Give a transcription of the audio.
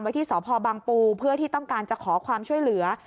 ที่สพบังปูเพื่อที่ต้องการจะขอความช่วยเหลือ